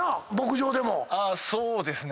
そうですね。